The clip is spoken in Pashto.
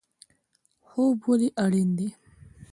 خوب ولې اړین دی؟